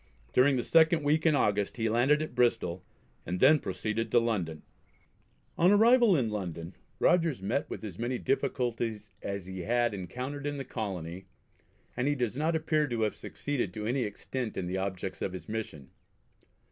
During the second week in August he landed at Bristol, and then proceeded to London. On arrival in London Rogers met with as many difficulties as he had encountered in the Colony, and he does not appear to have succeeded to any extent in the objects of his mission.